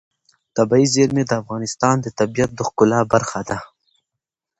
طبیعي زیرمې د افغانستان د طبیعت د ښکلا برخه ده.